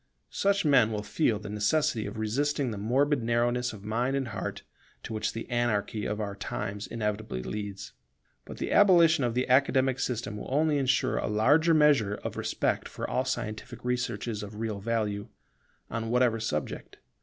Such men will feel the necessity of resisting the morbid narrowness of mind and heart to which the anarchy of our times inevitably leads. But the abolition of the Academic system will only ensure a larger measure of respect for all scientific researches of real value, on whatever subject.